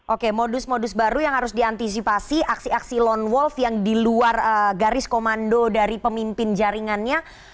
oke modus modus baru yang harus diantisipasi aksi aksi lone wolf yang di luar garis komando dari pemimpin jaringannya